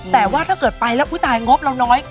แต่ว่าถ้าเกิดไปแล้วผู้ตายงบเราน้อย